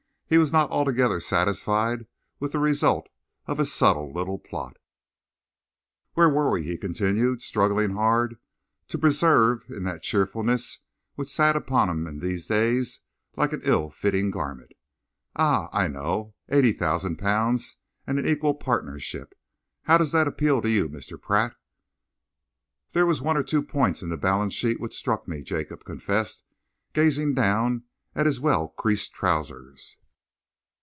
He was not altogether satisfied with the result of his subtle little plot. "Where were we?" he continued, struggling hard to persevere in that cheerfulness which sat upon him in these days like an ill fitting garment. "Ah! I know eighty thousand pounds and an equal partnership. How does that appeal to you, Mr. Pratt?" "There were one or two points in the balance sheet which struck me," Jacob confessed, gazing down at his well creased trousers.